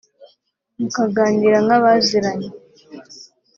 mukaganira nk’abaziranye